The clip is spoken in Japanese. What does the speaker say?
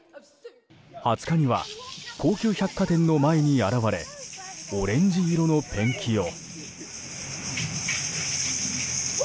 ２０日には高級百貨店の前に現れオレンジ色のペンキを。